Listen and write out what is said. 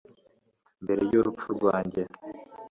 Mbere yurupfu rwanjye